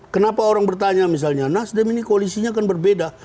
kenapa orang bertanya misalnya nasdem ini koalisinya kan berbeda